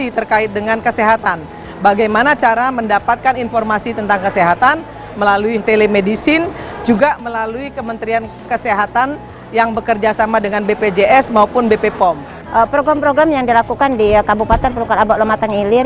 program program yang dilakukan di kabupaten perlukan abak lematan ilir